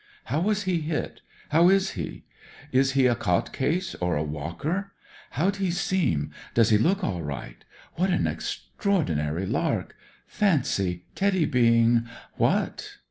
How was he hit ? How is he ? Is he a cot case or a walker? How'd he seem ? Does he look all right ? What an extraordinary lark ! Fancy Teddy being — what